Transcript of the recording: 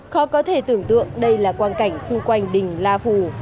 khó có thể tưởng tượng đây là quan cảnh xung quanh đỉnh la phủ